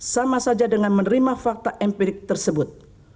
sama saja dengan menerima fakta empirik tersebut